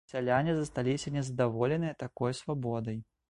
Сяляне засталіся незадаволеныя такой свабодай.